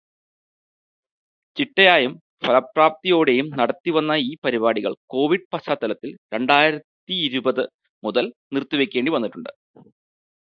ചിട്ടയായും ഫലപ്രാപ്തിയോടെയും നടത്തി വന്ന ഈ പരിപാടികൾ കോവിഡ് പശ്ചാത്തലത്തിൽ രണ്ടായിരത്തിയിരുപത് മുതൽ നിർത്തിവയ്ക്കേണ്ടി വന്നിട്ടുണ്ട്.